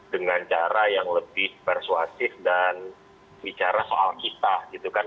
dengan cara yang lebih persuasif dan bicara soal kita gitu kan